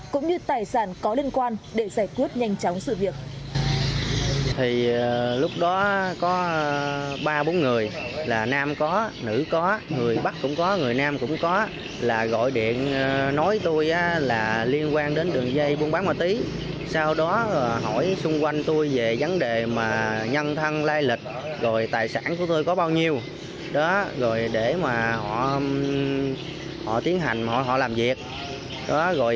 cũng như tài sản có liên quan để giải quyết nhanh chóng sự việc